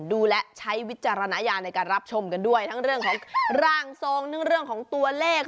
ดูและใช้วิจารณญาณในการรับชมกันด้วยทั้งเรื่องของร่างทรงทั้งเรื่องของตัวเลข